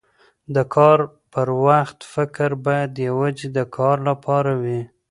د کار پر وخت فکر باید یواځې د کار لپاره وي.